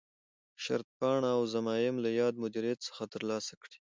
شرطپاڼه او ضمایم له یاد مدیریت څخه ترلاسه کړي.